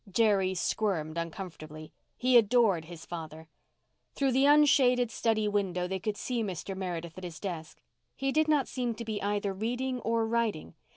Jerry squirmed uncomfortably. He adored his father. Through the unshaded study window they could see Mr. Meredith at his desk. He did not seem to be either reading or writing.